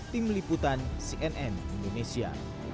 tim liputan cnn indonesia